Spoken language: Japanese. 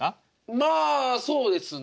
まあそうですね。